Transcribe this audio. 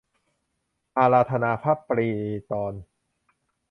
อาราธนาพระปริตร